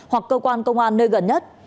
hoặc cơ quan công an nơi gần nhất